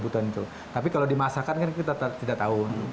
tapi kalau dimasakkan kan kita tidak tahu